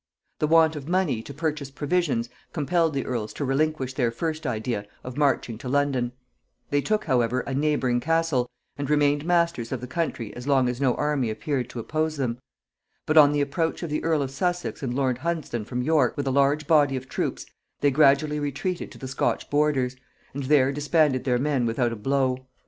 The want of money to purchase provisions compelled the earls to relinquish their first idea of marching to London; they took however a neighbouring castle, and remained masters of the country as long as no army appeared to oppose them; but on the approach of the earl of Sussex and lord Hunsdon from York, with a large body of troops, they gradually retreated to the Scotch borders; and there disbanded their men without a blow.